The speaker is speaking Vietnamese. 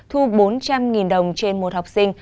vận động thu bốn trăm linh đồng một học sinh